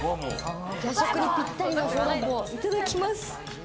夜食にぴったりの小籠包をいただきます。